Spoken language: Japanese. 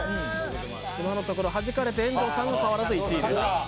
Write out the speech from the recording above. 今のところはじかれて遠藤さんが１位です。